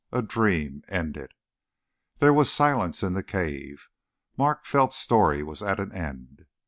A DREAM ENDED. There was silence in the cave. Mark Felt's story was at an end.